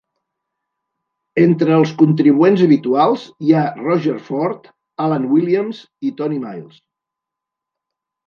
Entre els contribuents habituals hi ha Roger Ford, Alan Williams i Tony Miles.